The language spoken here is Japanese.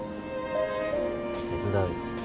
手伝うよ。